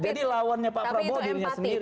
jadi lawannya pak prabowo dirinya sendiri